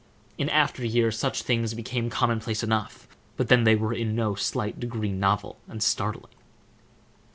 In after years such things became commonplace enough, but then they were in no slight degree novel and startling.